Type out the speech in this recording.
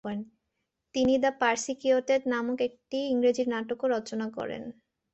তিনি the persecuted নামক একটি ইংরেজি নাটকও রচনা করেন।